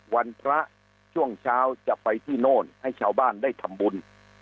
วันพระช่วงเช้าจะไปที่โน่นให้ชาวบ้านได้ทำบุญ